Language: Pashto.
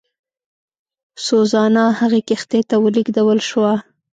سوزانا هغې کښتۍ ته ولېږدول شوه.